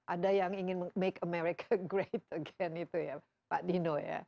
ada yang ingin make america great again itu ya pak dino ya